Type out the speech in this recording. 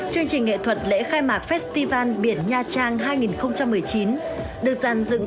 chương trình nghệ thuật lễ khai mạc festival biển nha trang hai nghìn một mươi chín được dàn dựng công phu hoành tráng